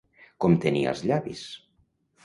Com tenia els llavis?